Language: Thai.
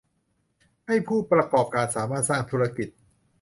ให้ผู้ประกอบการสามารถสร้างธุรกิจ